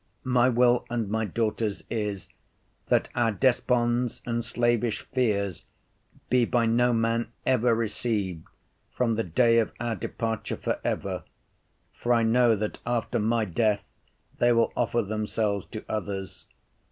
My will and my daughter's is, that our desponds and slavish fears be by no man ever received from the day of our departure for ever, for I know that after my death they will offer themselves to others.